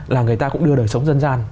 là người ta cũng đưa đời sống dân gian